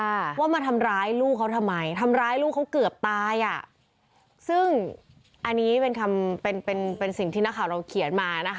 ว่ามาทำร้ายลูกเขาทำไมทำร้ายลูกเขาเกือบตายอ่ะซึ่งอันนี้เป็นคำเป็นเป็นสิ่งที่นักข่าวเราเขียนมานะคะ